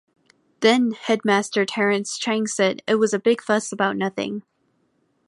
Then-Headmaster Terence Chang said it was a "big fuss about nothing".